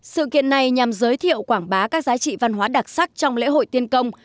sự kiện này nhằm giới thiệu quảng bá các giá trị văn hóa đặc sắc trong lễ hội tiên công